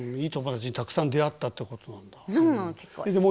いい友達にたくさん出会ったってことなんだ。